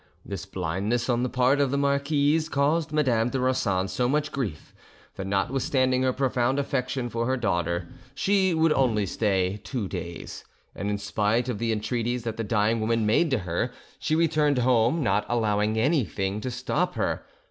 This blindness on the part of the marquise caused Madame de Rossan so much grief that notwithstanding her profound affection for her daughter she would only stay two days, and in spite of the entreaties that the dying woman made to her, she returned home, not allowing anything to stop her.